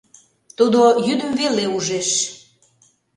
— Тудо йӱдым веле ужеш.